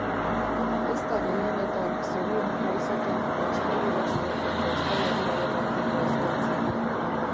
Ez da gehienetan zorionekoa izaten euskal idazle eta euskalariaren arteko ezkontza.